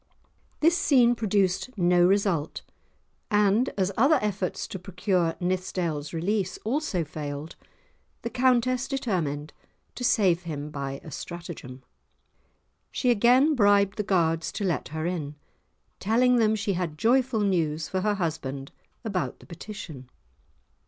This scene produced no result, and as other efforts to procure Nithsdale's release also failed, the Countess determined to save him by a stratagem. She again bribed the guards to let her in, telling them she had joyful news for her husband about the petition.